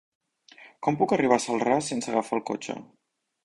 Com puc arribar a Celrà sense agafar el cotxe?